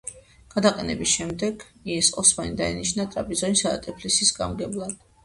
გადაყენების შემდეგ, ოსმანი დაინიშნა ტრაპიზონისა და ტიფლისის გამგებლად.